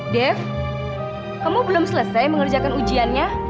dev kamu belum selesai mengerjakan ujiannya